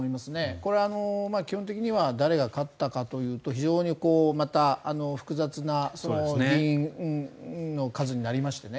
これは基本的には誰が勝ったかというと非常にまた、複雑な議員の数になりましてね。